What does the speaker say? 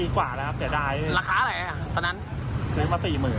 ครับ